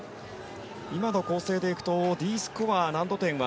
今の構成で行くとＤスコア難度点は